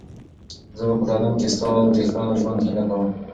زه به په لندن کې ستا د ښه ژوند هیله کوم.